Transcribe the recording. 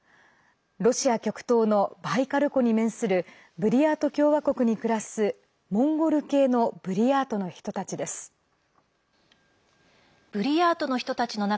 ロシア極東のバイカル湖に面するブリヤート共和国に暮らすモンゴル系のブリヤートの人たちです。